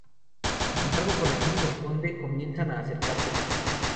Sin embargo, con la ayuda del Conde comienzan a acercarse más.